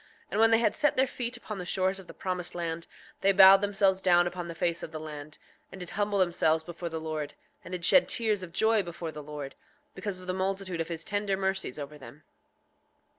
And when they had set their feet upon the shores of the promised land they bowed themselves down upon the face of the land, and did humble themselves before the Lord, and did shed tears of joy before the Lord, because of the multitude of his tender mercies over them.